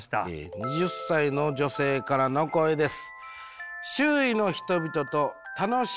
２０歳の女性からの声です。